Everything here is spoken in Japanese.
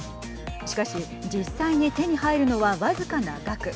しかし実際に手に入るのは僅かな額。